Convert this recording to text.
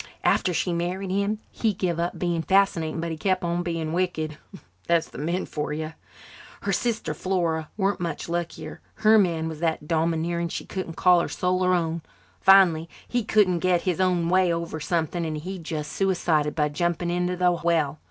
After she married him he give up being fascinating but he kept on being wicked. That's the men for you. Her sister Flora weren't much luckier. Her man was that domineering she couldn't call her soul her own. Finally he couldn't get his own way over something and he just suicided by jumping into the well.